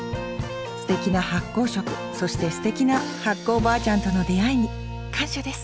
すてきな発酵食そしてすてきな発酵おばあちゃんとの出会いに感謝です